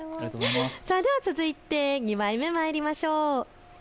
では続いて２枚目まいりましょう。